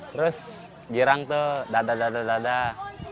terus diorang tuh dadah dadah